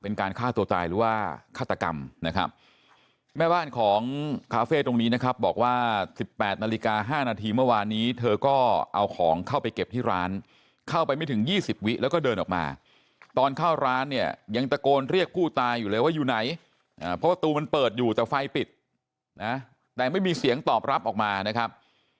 ๑๘นาฬิกา๕นาทีเมื่อวานนี้เธอก็เอาของเข้าไปเก็บที่ร้านเข้าไปไม่ถึง๒๐วิแล้วก็เดินออกมาตอนเข้าร้านเนี่ยยังตะโกนเรียกกู้ตาอยู่เลยว่าอยู่ไหนเพราะตัวมันเปิดอยู่แต่ไฟปิดนะแต่ไม่มีเสียงตอบรับออกมานะครับ